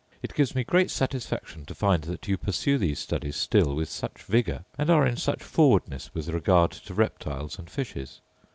It gives me great satisfaction to find that you pursue these studies still with such vigour, and are in such forwardness with regard to reptiles and fishes.